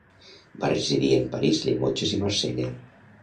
Va residir en París, Llemotges i Marsella.